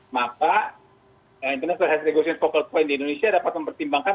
maka international health regulation focal point di indonesia dapat mempertimbangkan